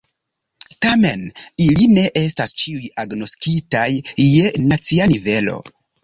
Tamen, ili ne estas ĉiuj agnoskitaj je nacia nivelo.